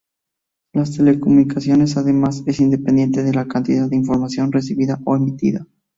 En telecomunicaciones, además es independiente de la cantidad de información recibida o emitida.